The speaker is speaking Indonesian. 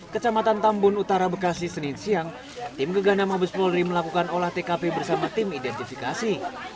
kecamatan tambun utara bekasi senin siang tim gegana mabes polri melakukan olah tkp bersama tim identifikasi